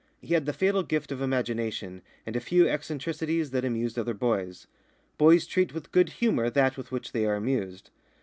He had the fatal gift of imagination, and a few eccentricities that amused other boys. Boys treat with good humour that with which they are amused.